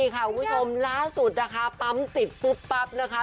คุณผู้ชมล่าสุดนะคะปั๊มติดปุ๊บปั๊บนะคะ